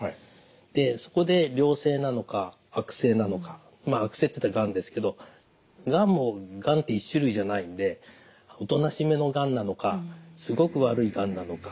でそこで良性なのか悪性なのか悪性っていったらがんですけどがんって１種類じゃないんでおとなしめのがんなのかすごく悪いがんなのか。